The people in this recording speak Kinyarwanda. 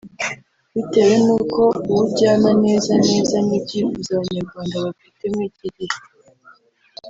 bitewe n’uko uwo ujyana neza neza n’ibyifuzo abanyarwanda bafite muri iki gihe